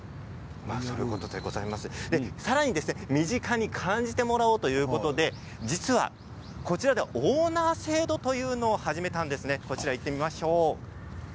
さらに身近に感じてもらおうということで実はこちらではオーナー制度というのを始めたんですね。